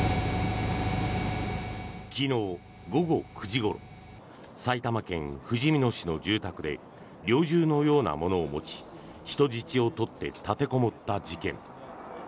昨日午後９時ごろ埼玉県ふじみ野市の住宅で猟銃のようなものを持ち人質を取って立てこもった事件。